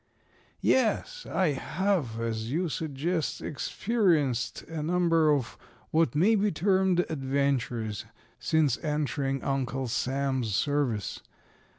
"Yes, I have, as you suggest, experienced a number of what may be termed adventures since entering Uncle Sam's service.